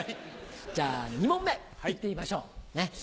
じゃあ２問目いってみましょう。